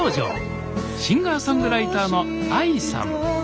シンガーソングライターのＡＩさん。